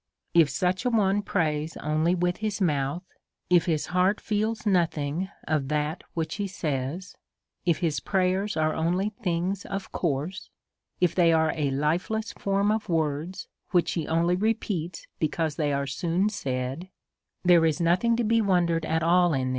If such a one prays only with his mouth ; if his heart feels nothing of that which he says; if his prayers are only things of course ; if they are a lifeless form of words, which he only repeats because they are soon said, there is nothing to be wondered at in al!